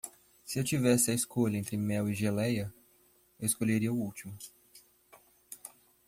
Se eu tivesse a escolha entre mel e geléia? eu escolheria o último.